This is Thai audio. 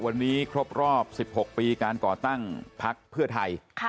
วันนี้ครบรอบ๑๖ปีการก่อตั้งพักเพื่อไทย